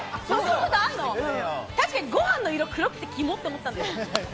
確かにご飯の色、黒くてキモ！って思ったんだよね。